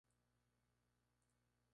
Su canto es muy característico.